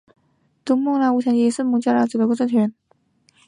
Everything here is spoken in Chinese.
东孟加拉无产阶级党是孟加拉国的一个共产主义政党。